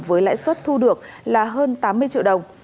với lãi suất thu được là hơn tám mươi triệu đồng